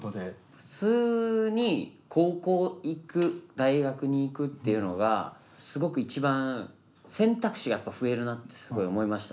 普通に高校行く大学に行くっていうのがすごく一番選択肢は増えるなってすごい思いました。